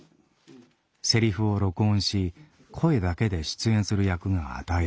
セリフを録音し声だけで出演する役が与えられた。